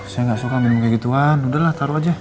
saya gak suka minum kayak gituan udah lah taruh aja